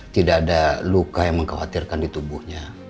tidak ada luka yang mengkhawatirkan di tubuhnya